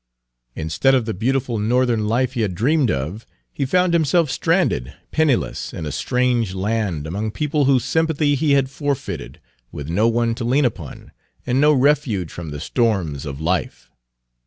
Instead of the beautiful Northern life he had dreamed of, he found himself stranded, penniless, in a strange land, among people whose sympathy he had forfeited, with no one to lean upon, and no refuge from the storms of life.